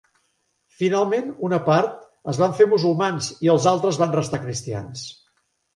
Finalment una part es van fer musulmans i altres van restar cristians.